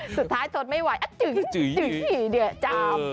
สุดท้ายทดไม่ไหวจื๊ยจาม